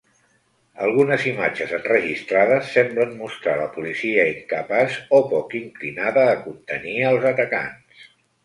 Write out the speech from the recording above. Algunes imatges enregistrades semblen mostrar la policia incapaç o poc inclinada a contenir als atacants.